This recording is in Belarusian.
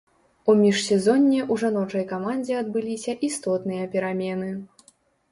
У міжсезонне ў жаночай камандзе адбыліся істотныя перамены.